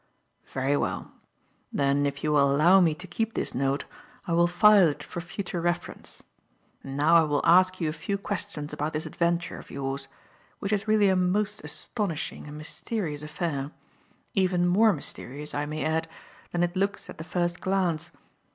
"Very well. Then if you will allow me to keep this note, I will file it for future reference. And now I will ask you a few questions about this adventure of yours, which is really a most astonishing and mysterious affair; even more mysterious, I may add, than it looks at the first glance.